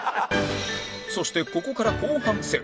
そしてここから後半戦